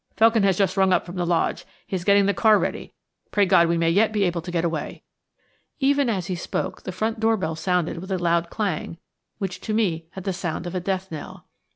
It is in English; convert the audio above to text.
"Felkin has just run up from the lodge. He is getting the car ready. Pray God we may yet be able to get away." Even as he spoke the front door bell sounded with a loud clang, which to me had the sound of a death knell.